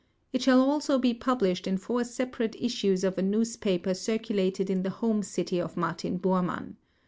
It shall also be published in four separate issues of a newspaper circulated in the home city of Martin Bormann.